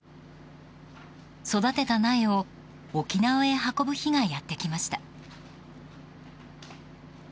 育てた苗を沖縄へ運ぶ日がやってきました。